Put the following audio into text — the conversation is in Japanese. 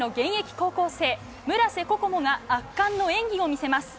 高校生村瀬心椛が圧巻の演技を見せます。